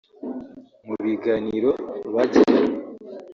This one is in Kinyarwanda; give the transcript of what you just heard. Mu biganiro bagiranye